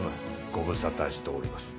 ご無沙汰しております。